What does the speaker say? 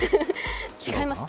違います。